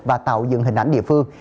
và tạo dựng hình ảnh địa phương